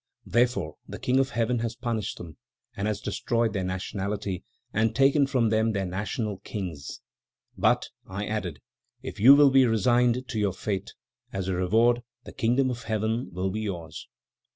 "Therefore, the King of Heaven has punished them, and has destroyed their nationality and taken from them their national kings, 'but,' I added, 'if you will be resigned to your fate, as a reward the Kingdom of Heaven will be yours.'"